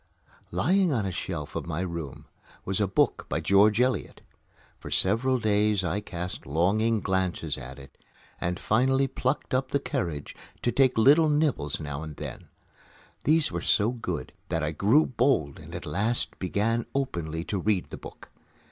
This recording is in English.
Lying on a shelf in my room was a book by George Eliot. For several days I cast longing glances at it and finally plucked up the courage to take little nibbles now and then. These were so good that I grew bold and at last began openly to read the book.